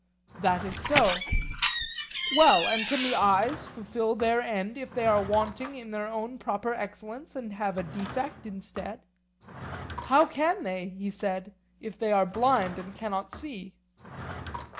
That is so. Well, and can the eyes fulfil their end if they are wanting in their own proper excellence and have a defect instead? How can they, he said, if they are blind and cannot see?